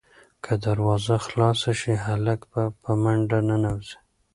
که دروازه خلاصه شي، هلک به په منډه ننوځي.